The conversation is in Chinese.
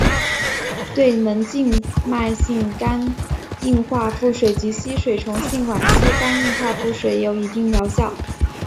对门静脉性肝硬化腹水及血吸虫性晚期肝硬化腹水也有一定的疗效。